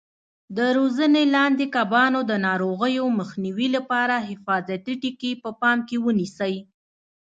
د روزنې لاندې کبانو د ناروغیو مخنیوي لپاره حفاظتي ټکي په پام کې ونیسئ.